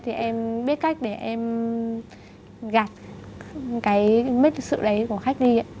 thì em biết cách để em gạt cái bất lịch sự đấy của khách đi ấy